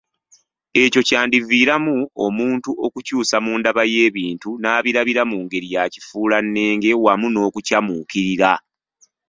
Ekyo kyandiviiramu omuntu okukyusa mu ndaba y'ebintu, n'abiraba mu ngeri ya kifuulannenge, wamu n'okukyamuukirira